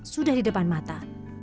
sudah di depan mata